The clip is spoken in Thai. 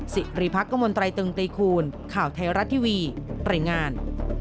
สิริพักษ์มตรตรีคูณข่าวไทยรัตน์ทีวีตรายงาน